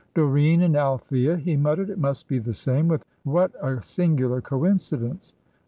"Doreen and Althea," he muttered. "It must be the same. With a singular coincidence!